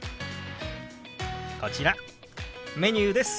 こちらメニューです。